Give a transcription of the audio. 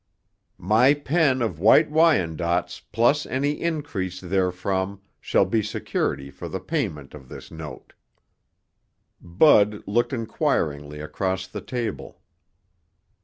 My pen of White Wyandottes plus any increase therefrom shall be security for the payment of this note._ Bud looked inquiringly across the table.